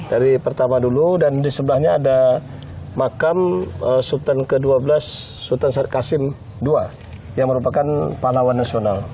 dari pertama dulu dan di sebelahnya ada makam sultan ke dua belas sultansim ii yang merupakan pahlawan nasional